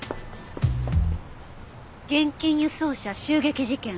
「現金輸送車襲撃事件」。